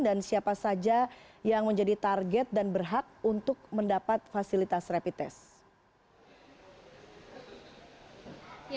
siapa saja yang menjadi target dan berhak untuk mendapat fasilitas rapid test